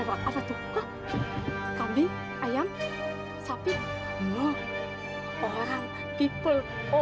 untung dia udah kabur